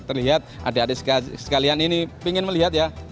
terlihat adik adik sekalian ini pingin melihat ya